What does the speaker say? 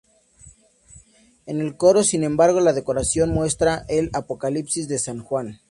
En el coro, sin embargo, la decoración muestra el Apocalipsis de San Juan.